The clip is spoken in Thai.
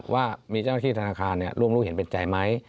ว่ามีเจ้าหน้าที่ธนาคารร่วมรู้เห็นเป็นใจไหม